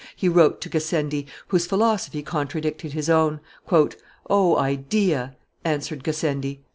he wrote to Gassendi, whose philosophy contradicted his own: "O idea!" answered Gassendi.